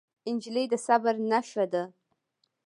نجلۍ د صبر نښه ده.